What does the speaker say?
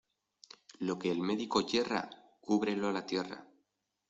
Lo que el médico yerra, cúbrelo la tierra.